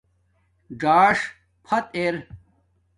ژݳݽ فت ار